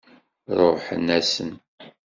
Ṛuḥen-asen.